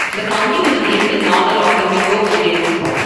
The county was named in honor of the Mingo Indians.